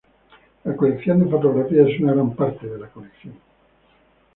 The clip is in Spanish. La colección de fotografía es una gran parte de la colección.